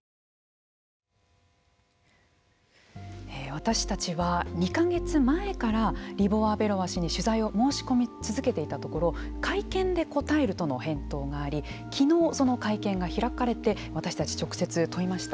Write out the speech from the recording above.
私たちは２か月前からリボワベロワ氏に取材を申し込み続けていたところ会見で答えるとの返答がありきのう、その会見が開かれて私たち、直接問いました。